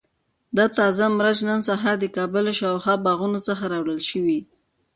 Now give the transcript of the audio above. دا تازه مرچ نن سهار د کابل له شاوخوا باغونو څخه راوړل شوي.